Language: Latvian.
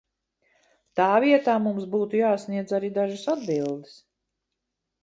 Tā vietā mums būtu jāsniedz arī dažas atbildes.